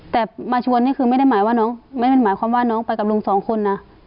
แต่มาชวนนี่คือไม่ได้หมายว่าน้องไม่ได้หมายความว่าน้องไปกับลุงสองคนนะ